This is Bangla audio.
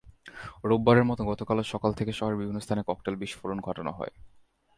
রোববারের মতো গতকালও সকাল থেকে শহরের বিভিন্ন স্থানে ককটেল বিস্ফোরণ ঘটানো হয়।